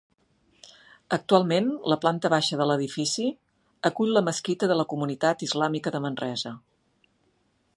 Actualment la planta baixa de l'edifici acull la mesquita de la comunitat islàmica de Manresa.